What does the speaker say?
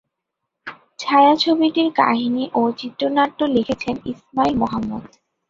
ছায়াছবিটির কাহিনী ও চিত্রনাট্য লিখেছেন ইসমাইল মোহাম্মদ।